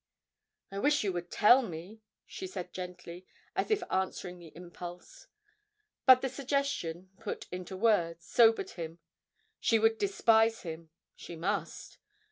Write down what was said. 'I wish you would tell me,' she said gently, as if answering the impulse. But the suggestion, put into words, sobered him. She would despise him; she must.